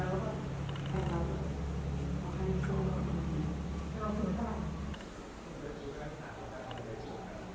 น่าทาน้อยในวันนี้แต่ทัศน์ไม่ออก